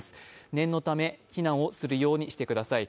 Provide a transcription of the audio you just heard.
念のため避難をするようにしてください。